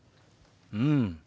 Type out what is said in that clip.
うん。